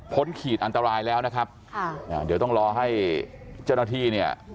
ขีดอันตรายแล้วนะครับค่ะอ่าเดี๋ยวต้องรอให้เจ้าหน้าที่เนี่ย